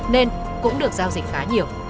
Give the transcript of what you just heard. nên cũng được giao dịch khá nhiều